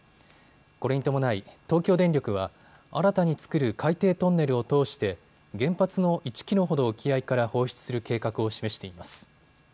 これに伴い東京電力は新たに作る海底トンネルを通して原発の１キロほど沖合から放出する計画を示しています。